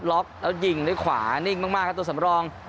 ล็อกแล้วยิงด้วยขวานิ่งมากครับตัวสำรอง